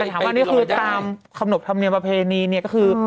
ถามว่านี้คือตามคำหนบธรรมเนียมราเพณีนี่